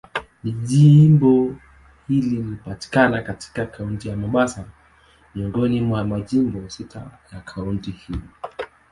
Jimbo hili linapatikana katika Kaunti ya Mombasa, miongoni mwa majimbo sita ya kaunti hiyo.